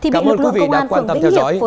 cảm ơn quý vị đã quan tâm theo dõi